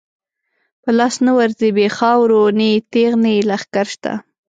په لاس نه ورځی بی خاورو، نه یې تیغ نه یی لښکر شته